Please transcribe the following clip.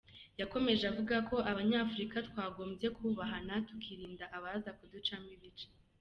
Yakomeje avuga ko "Abanyafurika twagombye kubahana tukirinda abaza kuducamo ibice.